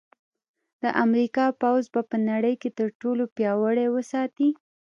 د امریکا پوځ به په نړۍ کې تر ټولو پیاوړی وساتي